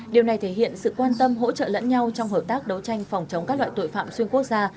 điều này thể hiện sự quan tâm hỗ trợ lẫn nhau trong hợp tác đấu tranh phòng chống các loại tội phạm xuyên quốc gia